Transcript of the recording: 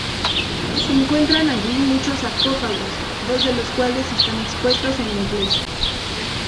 Se encuentran allí muchos sarcófagos, dos de los cuales están expuestos en la iglesia.